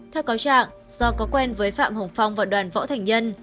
theo cáo trạng do có quen với phạm hồng phong và đoàn võ thành nhân